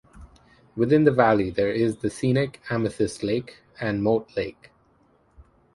Within the valley there is the scenic Amethyst Lake and Moat Lake.